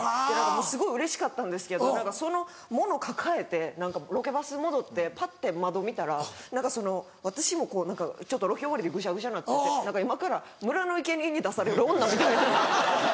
すごいうれしかったんですけどその物抱えてロケバス戻ってパッて窓見たら私もロケ終わりでぐしゃぐしゃになってて今から村のいけにえに出される女みたいな。